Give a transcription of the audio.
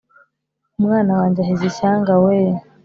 Umwana wanjye aheze Ishyanga we!